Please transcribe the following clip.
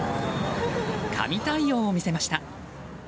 神対応を見せました。